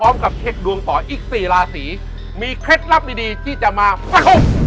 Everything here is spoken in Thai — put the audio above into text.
พร้อมกับเคล็ดดวงต่ออีก๔ราศีมีเคล็ดลับดีที่จะมาพะโคร้